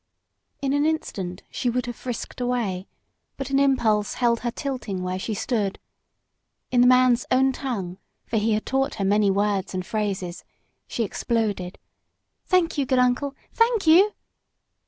In an instant she would have frisked away, but an impulse held her tilting where she stood. In the man's own tongue, for he had taught her many words and phrases, she exploded, "Thank you, good uncle, thank you!"